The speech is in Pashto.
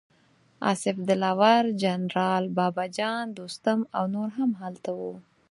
اصف دلاور، جنرال بابه جان، دوستم او نور هم هلته وو.